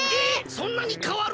そんなにかわる！？